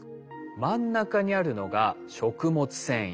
真ん中にあるのが食物繊維。